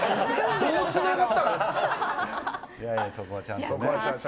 どうつながったの？